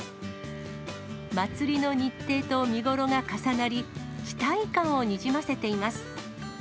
祭りの日程と見頃が重なり、期待感をにじませています。